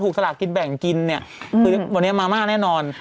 ของชสลักกินแบ่งกินนี่ว่านี้มางก็แน่นอน